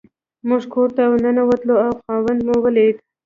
موږ کور ته ننوتو او خاوند مو ولید.